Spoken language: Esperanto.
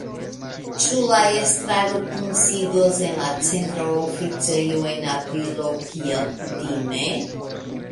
Ĉu la estraro kunsidos en la Centra Oficejo en aprilo, kiel kutime?